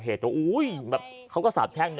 ชาวบ้านญาติโปรดแค้นไปดูภาพบรรยากาศขณะ